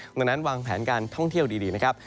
ดังนั้นวางแผนการท่องเที่ยวดีนะครับ